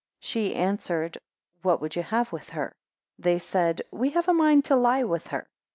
She answered, What would you have with her? They said, We have a mind to lie with her.